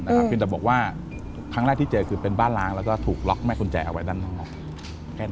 เพียงแต่บอกว่าครั้งแรกที่เจอคือเป็นบ้านล้างแล้วก็ถูกล็อกแม่กุญแจเอาไว้ด้านนอก